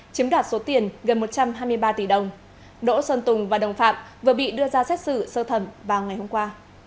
chiếm đoạt số tiền gần một trăm hai mươi ba tỷ đồng đỗ xuân tùng và đồng phạm vừa bị đưa ra xét xử sơ thẩm vào ngày hôm qua